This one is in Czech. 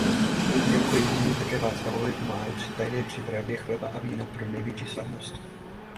Jako jediný také Václavovi pomáhal při tajné přípravě chleba a vína pro nejsvětější svátost.